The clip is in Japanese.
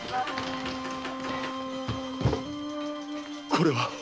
これは！